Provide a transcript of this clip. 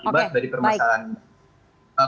akibat dari permasalahan ini